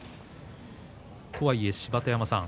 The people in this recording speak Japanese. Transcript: とはいえ、芝田山さん